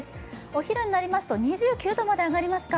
お昼になりますと、２９℃まで上がりますか。